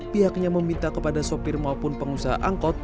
pihaknya meminta kepada sopir maupun pengusaha angkot